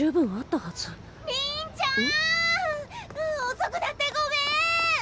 遅くなってごめん！